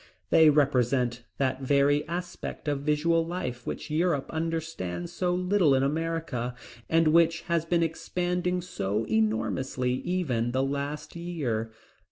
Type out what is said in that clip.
They represent that very aspect of visual life which Europe understands so little in America, and which has been expanding so enormously even the last year.